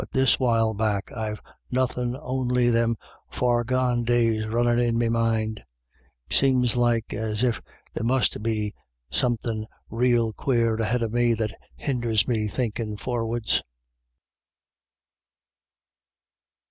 this while back I've nothin' on'y them far gone days runnin' in me mind. Seems like as if there must 266 IRISH IDYLLS. be somethin' rael quare ahead of me, that hinders me thinkin' forrards."